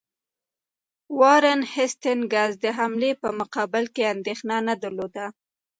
وارن هیسټینګز د حملې په مقابل کې اندېښنه نه درلوده.